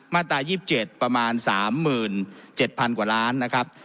มาตรา๒๗ประมาณ๓๗๐๐กว่าล้านนะครับ